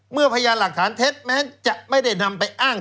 พยานหลักฐานเท็จแม้จะไม่ได้นำไปอ้าง